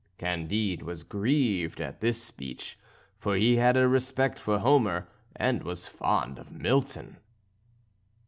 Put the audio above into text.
Candide was grieved at this speech, for he had a respect for Homer and was fond of Milton.